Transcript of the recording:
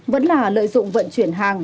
vẫn là lợi dụng vận chuyển hàng